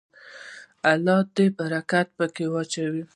الله دې برکت پکې واچوي.